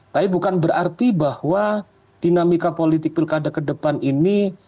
tapi bukan berarti bahwa dinamika politik pilkada ke depan ini